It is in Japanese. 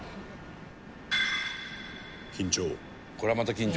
「緊張」